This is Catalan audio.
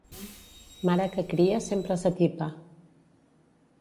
Mare que cria sempre s'atipa.